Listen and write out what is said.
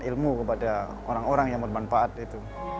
ilmu kepada orang orang yang bermanfaat itu